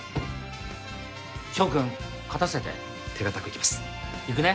翔くん勝たせて手堅くいきますいくね？